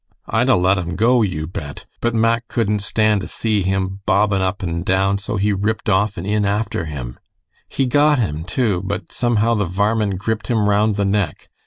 I'd a let him go, you bet, but Mack cudn't stand to see him bobbin up and down so he ripped off and in after him. He got him too, but somehow the varmint gripped him round the neck.